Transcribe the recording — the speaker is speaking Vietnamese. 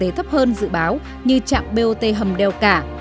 có doanh thuế thấp hơn dự báo như trạm bot hầm đeo cả